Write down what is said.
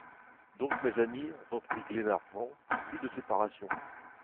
Donc, mes amis, reprit Glenarvan, plus de séparation.